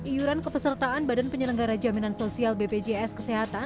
iuran kepesertaan badan penyelenggara jaminan sosial bpjs kesehatan